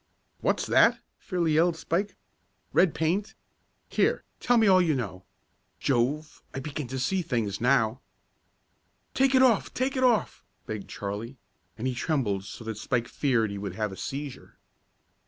"What's that?" fairly yelled Spike. "Red paint? Here, tell me all you know! Jove, I begin to see things now!" "Take it off! Take it off!" begged Charlie, and he trembled so that Spike feared he would have a seizure.